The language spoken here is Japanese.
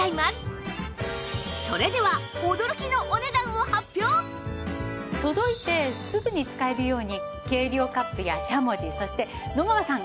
それでは届いてすぐに使えるように計量カップやしゃもじそして野川さん